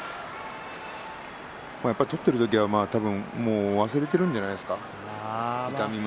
取っている時は忘れているんじゃないですかね